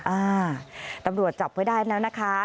อ่าตำรวจจับไว้ได้แล้วนะคะ